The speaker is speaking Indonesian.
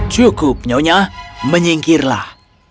cukup nyonya menyingkirlah